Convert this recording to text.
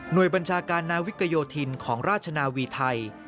โดยบัญชาการนาวิกโยธินของราชนาวีไทย